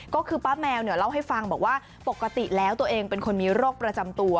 ก็คือป้าแมวเนี่ยเล่าให้ฟังบอกว่าปกติแล้วตัวเองเป็นคนมีโรคประจำตัว